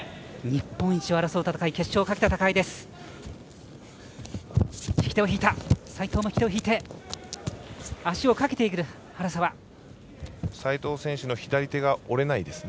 日本一を争う戦い決勝をかけた戦いです。